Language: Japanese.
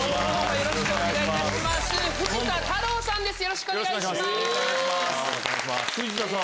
よろしくお願いします。